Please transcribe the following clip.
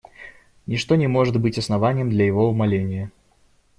Ничто не может быть основанием для его умаления.